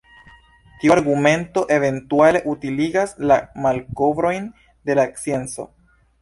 Tiu argumento, eventuale, utiligas la malkovrojn de la scienco.